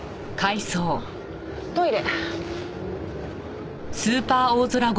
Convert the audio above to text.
トイレ。